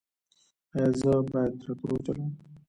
ایا زه باید تراکتور وچلوم؟